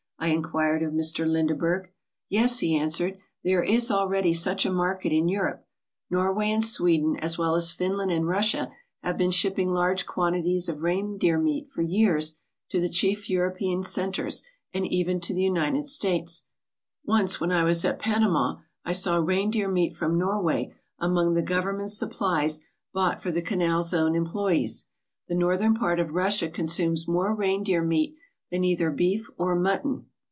I inquired of Mr. Lindeberg. "Yes," he answered. "There is already such a market in Europe. Norway and Sweden, as well as Finland and 206 REINDEER MEAT FOR AMERICAN MARKETS Russia, have been shipping large quantities of reindeer meat for years to the chief European centres and even to the United States. Once when I was at Panama I saw reindeer meat from Norway among the government supplies bought for the Canal Zone employees. The northern part of Russia consumes more reindeer meat than either beef or mutton.